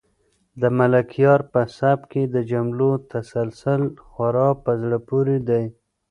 د ملکیار په سبک کې د جملو تسلسل خورا په زړه پورې دی.